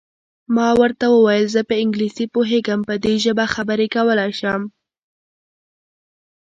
ما ورته وویل: زه په انګلیسي پوهېږم، په دې ژبه خبرې کولای شم.